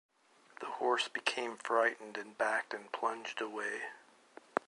The horse became frightened and backed and plunged away.